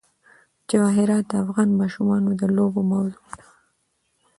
جواهرات د افغان ماشومانو د لوبو موضوع ده.